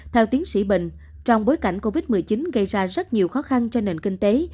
theo tiến sĩ bình trong bối cảnh covid một mươi chín gây ra rất nhiều khó khăn cho nền kinh tế